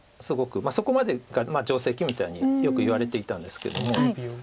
そこまでが定石みたいによく言われていたんですけども。